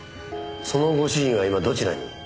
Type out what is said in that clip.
そのご主人は今どちらに？